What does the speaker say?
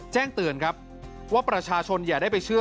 แจ้งเตือนครับว่าประชาชนอย่าได้ไปเชื่อ